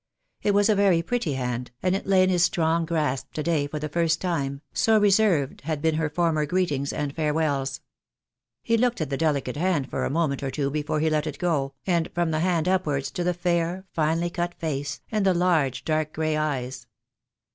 It was a very pretty hand, and it lay in his strong, grasp to day for the first time, so reserved had been her former greetings and farewells. He looked at the delicate hand for a moment or two before he let it go, and from the hand upwards to the fair, finely cut face, and the large, dark grey eyes.